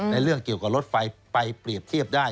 เรื่องเกี่ยวกับรถไฟไปเปรียบเทียบได้